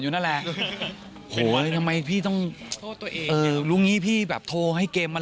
นั่นแหละโหเลยทำไมพี่ต้องโทษตัวเองเออรู้งี้พี่แบบโทรให้เกมมัน